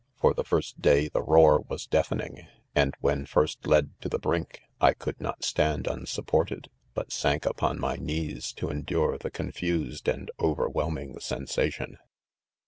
For the first day the roar was deafening, and when first led to the brink I could not stand unsup : ported j But sank upon my kneea f to endure the confused and overwhelming, sensation..